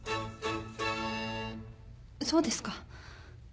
そうですか。